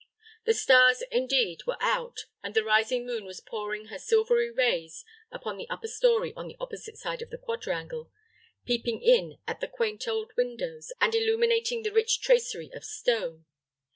The stars, indeed, were out, and the rising moon was pouring her silvery rays upon the upper story on the opposite side of the quadrangle, peeping in at the quaint old windows, and illuminating the rich tracery of stone.